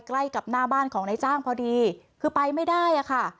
ใกล้กับหน้าบ้านของนายจ้างพอดีคือไปไม่ได้อะค่ะ